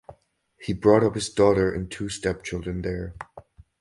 He brought up his daughter and two stepchildren there.